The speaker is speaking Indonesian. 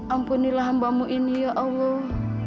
ampunilah hambamu ini ya allah